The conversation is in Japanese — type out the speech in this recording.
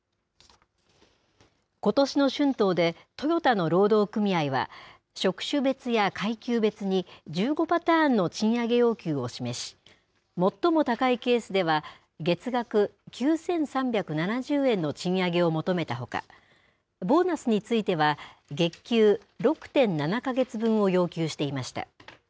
ことしの春闘で、トヨタの労働組合は、職種別や階級別に、１５パターンの賃上げ要求を示し、最も高いケースでは、月額９３７０円の賃上げを求めたほか、ボーナスについては、月給６．７か月分を要求していました。